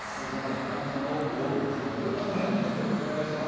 生産者の大渕展正さんです。